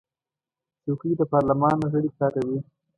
چوکۍ د پارلمان غړي کاروي.